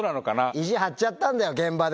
意地張っちゃったんだよ、現場で。